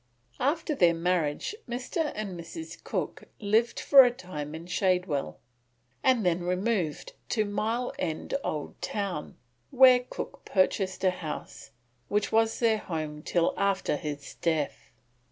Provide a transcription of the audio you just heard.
After their marriage Mr. and Mrs. Cook lived for a time in Shadwell, and then removed to Mile End Old Town, where Cook purchased a house, which was their home till after his death.